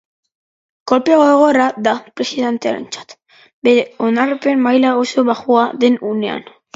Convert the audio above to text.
Kolpe gogorra da presidentearentzat, bere onarpen maila oso bajua den unean.